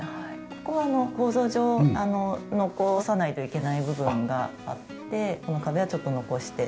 ここは構造上残さないといけない部分があってこの壁はちょっと残して。